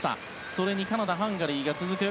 それにカナダ、ハンガリーが続く。